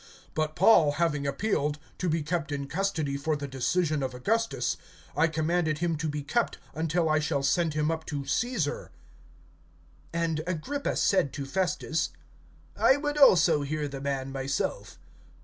(21)But Paul having appealed, to be kept in custody for the decision of Augustus, I commanded him to be kept until I shall send him up to Caesar. (22)And Agrippa said to Festus: I would also hear the man myself.